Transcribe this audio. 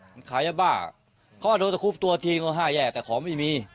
มันขายบ้าเขาว่าโดยจะคุบตัวทีมี๕แยกแต่ของไม่มี